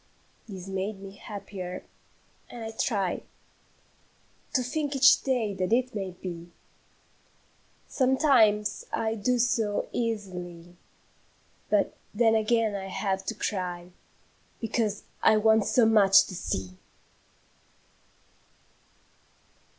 This made me happier, and I try To think each day that it may be. Sometimes I do so easily; But then again I have to cry, Because I want so much to SEE!